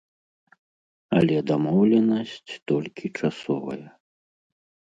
Але дамоўленасць толькі часовая.